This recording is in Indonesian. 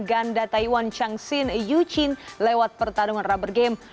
ganda taiwan changshin yu chin lewat pertarungan rubber game